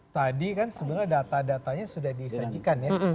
tadi kan sebenarnya data datanya sudah disajikan ya